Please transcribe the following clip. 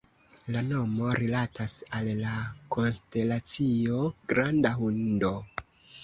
La nomo rilatas al la konstelacio Granda Hundo.